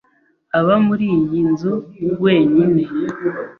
Aba muri iyi nzu wenyine.